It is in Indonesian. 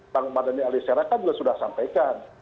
bang mada nia alisera kan sudah sampaikan